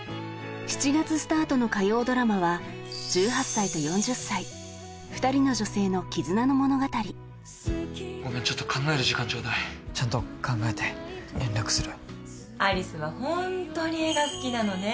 ７月スタートの火曜ドラマは１８歳と４０歳２人の女性の絆の物語ごめんちょっと考える時間ちょうだいちゃんと考えて連絡する有栖はホントに絵が好きなのね